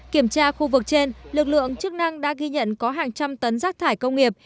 kiểm tra khu vực trên lực lượng chức năng đã ghi nhận có hàng trăm tấn rác thải công nghiệp